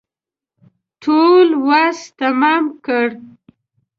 ټول وس تمام کړ.